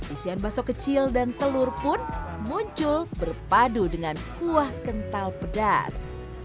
isian baso kecil dan telur pun muncul berpadu dengan kuah kental pedas